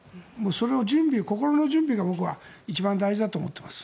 その心の準備が一番大事だと思っています。